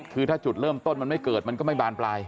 คือถ้าจุดเริ่มต้นมันไม่เกิดมันก็ไม่บานปลาย